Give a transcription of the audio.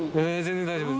全然大丈夫。